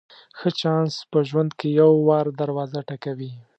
ښه چانس په ژوند کې یو وار دروازه ټکوي.